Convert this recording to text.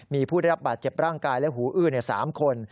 มีผู้ได้รับบาดเจ็บร่างกายและหูอื้อ๓คน